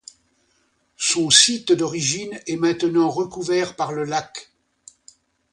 Son site d'origine est maintenant recouvert par le lac.